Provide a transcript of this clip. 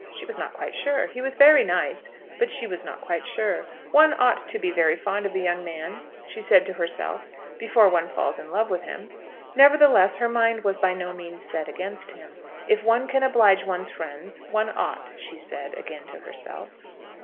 She was not quite sure. He was very nice, but she was not quite sure. One ought to be very fond of a young man, she said to herself, before one falls in love with him. Nevertheless her mind was by no means set against him. If one can oblige one's friends one ought, she said, again to herself.